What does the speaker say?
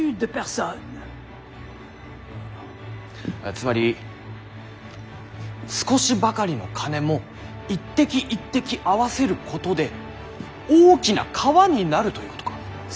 つまり少しばかりの金も一滴一滴合わせることで大きな川になるということか。